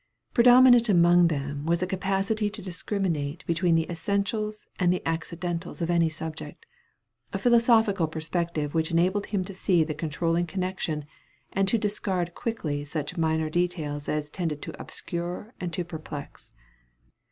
Predominant among them was a capacity to discriminate between the essentials and the accidentals of any subject, a philosophical perspective which enabled him to see the controlling connection and to discard quickly such minor details as tended to obscure and to perplex.